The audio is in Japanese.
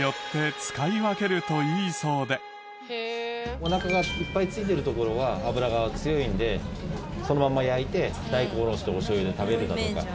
おなかがいっぱいついてるところは脂が強いのでそのまま焼いて大根おろしとおしょう油で食べるだとか。